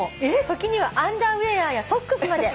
「時にはアンダーウエアやソックスまで」